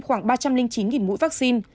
khoảng ba trăm linh chín mũi vaccine